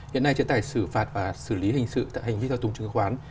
hiện nay chế tài xử phạt và xử lý hình dịch theo tùng chứng khoán